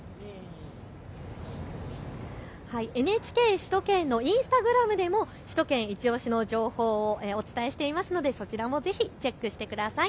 ＮＨＫ首都圏のインスタグラムでも首都圏いちオシ！の情報をお伝えしていますのでそちらもぜひチェックしてください。